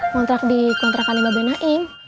ngontrak di kontrakan ibu bb naim